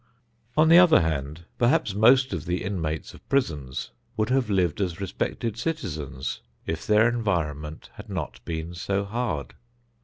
On the other hand, perhaps most of the inmates of prisons would have lived as respected citizens if their environment had not been so hard.